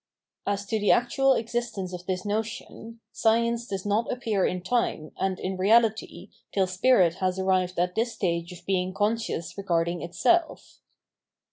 As to the actual existence of this notion, science does not appear in time and in reahty till spirit has arrived at this stage of being conscious regarding itself.